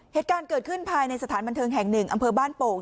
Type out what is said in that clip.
เหตุการณ์เกิดขึ้นภายในสถานบันเทิงแห่งหนึ่งอำเภอบ้านโป่ง